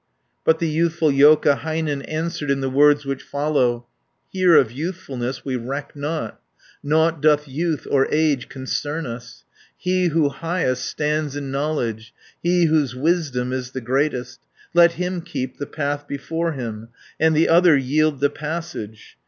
120 But the youthful Joukahainen Answered in the words which follow: "Here of youthfulness we reck not; Nought doth youth or age concern us, He who highest stands in knowledge, He whose wisdom is the greatest, Let him keep the path before him, And the other yield the passage.